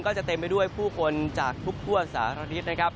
ก็จะเต็มไปด้วยผู้คนจากทุกสหรัฐฤทธิ์นะครับ